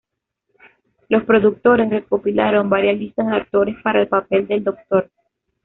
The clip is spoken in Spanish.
Los productores recopilaron varias listas de actores para el papel del Doctor.